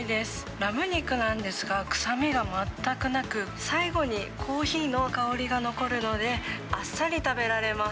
ラム肉なんですが、臭みが全くなく、最後にコーヒーの香りが残るので、あっさり食べられます。